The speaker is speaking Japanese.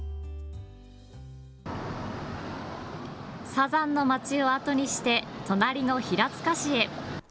サザンの街を後にして隣の平塚市へ。